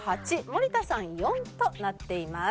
８森田さん４となっています。